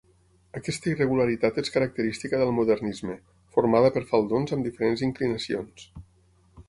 Aquesta irregularitat és característica del modernisme, formada per faldons amb diferents inclinacions.